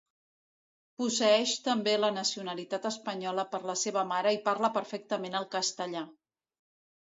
Posseeix també la nacionalitat espanyola per la seva mare i parla perfectament el castellà.